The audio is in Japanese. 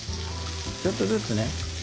ちょっとずつね